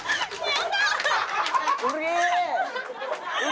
やった！